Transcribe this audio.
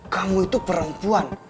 kamu itu perempuan